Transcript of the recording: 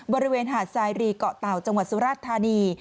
บริเวณหาดไซรีเกาะเตาจังหวัดสุรัสตร์ธานี